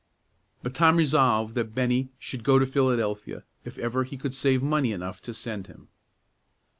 But Tom resolved that Bennie should go to Philadelphia, if ever he could save money enough to send him.